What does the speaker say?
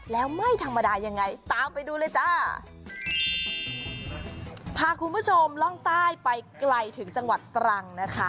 แล้วไม่ธรรมดายังไงตามไปดูเลยจ้าพาคุณผู้ชมล่องใต้ไปไกลถึงจังหวัดตรังนะคะ